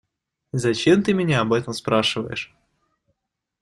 Зачем ты меня об этом спрашиваешь?